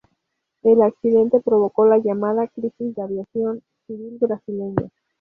El accidente provocó la llamada crisis de la aviación civil brasileña.